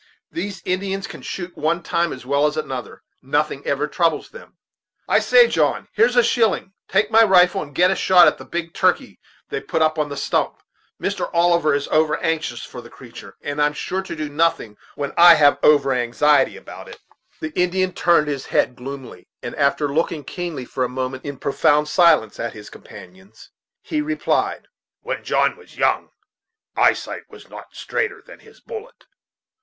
Them Indians can shoot one time as well as another; nothing ever troubles them. I say, John, here's a shilling; take my rifle, and get a shot at the big turkey they've put up at the stump. Mr. Oliver is over anxious for the creatur', and I'm sure to do nothing when I have over anxiety about it." The Indian turned his head gloomily, and after looking keenly for a moment, in profound silence, at his companions, he replied: "When John was young, eyesight was not straighter than his bullet.